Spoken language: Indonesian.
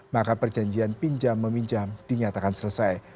maka perjanjian pinjam meminjam dinyatakan selesai